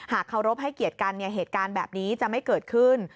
เคารพให้เกียรติกันเหตุการณ์แบบนี้จะไม่เกิดขึ้น